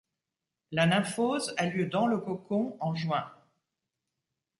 La nymphose a lieu dans le cocon en juin.